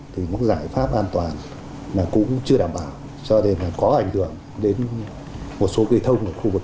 thì những giải pháp an toàn là cũng chưa đảm bảo cho nên là có ảnh hưởng đến một số cây thông ở khu vực